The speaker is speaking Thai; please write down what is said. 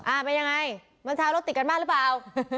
เป็นยังไงเมื่อเช้ารถติดกันมากหรือเปล่า